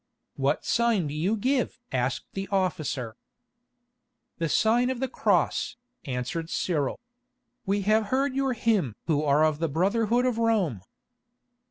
"What sign do you give?" asked the officer. "The sign of the Cross," answered Cyril. "We have heard your hymn who are of the brotherhood of Rome."